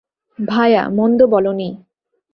ভায়া, মন্দ বল নি।